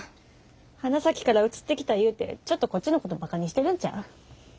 花咲から移ってきたいうてちょっとこっちのことバカにしてるんちゃう？